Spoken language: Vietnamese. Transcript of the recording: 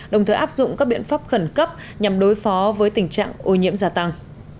đồng thời áp dụng các biện pháp khẩn cấp nhằm đối phó với tình trạng ô nhiễm gia tăng